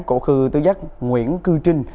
của khu tứ giác nguyễn cư trinh